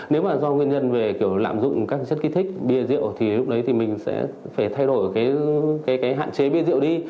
nếu mà do nguyên nhân về kiểu lạm dụng các chất kích thích bia rượu thì lúc đấy thì mình sẽ phải thay đổi cái hạn chế bia rượu đi